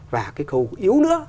và cái khâu yếu nữa